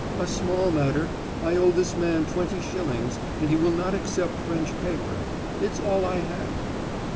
"A small matter. I owe this man twenty shillings, and he will not accept French paper. It's all I have."